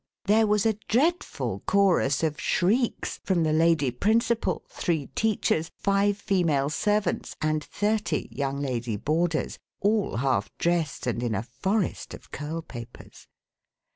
there was a dreadful chorus of shrieks from the lady principal, three teachers, five female servants and thirty young lady boarders, all half dressed and in a forest of curl papers.